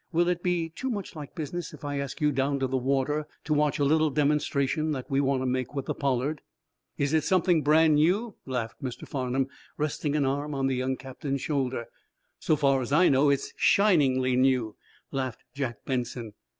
"Will it be too much like business if I ask you down to the water to watch a little demonstration that we want to make with the 'Pollard'?" "Is it something brand new?" laughed Mr. Farnum, resting an arm on the young captain's shoulder. "So far as I know, it's shiningly new," laughed Jack Benson.